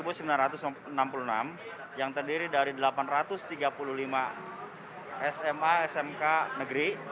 bahwa jumlah sekolah itu ada empat sembilan ratus enam puluh enam yang terdiri dari delapan ratus tiga puluh lima sma smk negeri